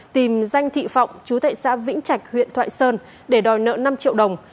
tìm danh thị phong chú thệ xã vĩnh trạch huyện thoại sơn để đòi nợ năm triệu đồng